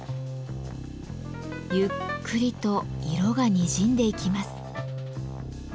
ゆっくりと色がにじんでいきます。